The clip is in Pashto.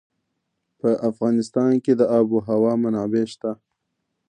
په افغانستان کې د آب وهوا منابع شته.